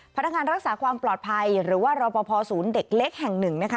พนักงานรักษาความปลอดภัยหรือว่ารอปภศูนย์เด็กเล็กแห่งหนึ่งนะคะ